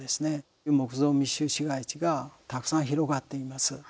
木造密集市街地がたくさん広がっています。